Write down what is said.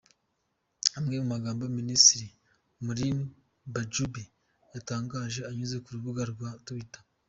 Amwe mu magambo Minisitiri Mounir Mahjoubi yatangaje anyuze ku rubuga rwa twitter.